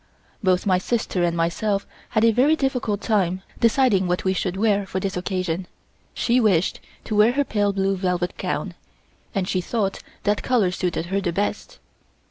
Both my sister and myself had a very difficult time deciding what we should wear for this occasion; she wished to wear her pale blue velvet gown, as she thought that color suited her the best.